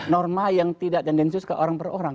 norma yang tidak tendensius ke orang per orang